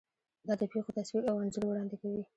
دا د پېښو تصویر او انځور وړاندې کوي.